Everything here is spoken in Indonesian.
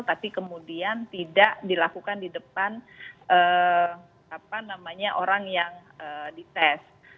tapi kemudian tidak dilakukan di depan orang yang dites